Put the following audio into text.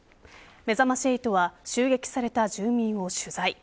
めざまし８は襲撃された住民を取材。